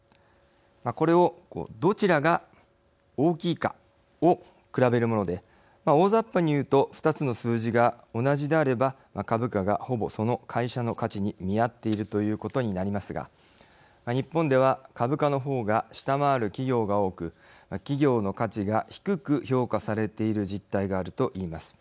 これをどちらが大きいかを比べるもので大ざっぱに言うと２つの数字が同じであれば株価が、ほぼその会社の価値に見合っているということになりますが日本では株価の方が下回る企業が多く企業の価値が低く評価されている実態があると言います。